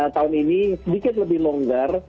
tahun ini sedikit lebih longgar